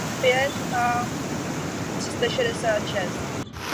Jeskyně sloužily mnichům jako ubytovací i meditační místnosti.